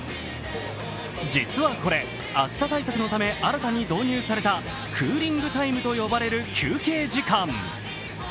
実はこれ、暑さ対策のため新たに導入されたクーリングタイムと呼ばれる休憩時間。